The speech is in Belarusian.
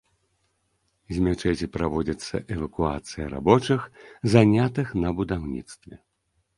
З мячэці праводзіцца эвакуацыя рабочых, занятых на будаўніцтве.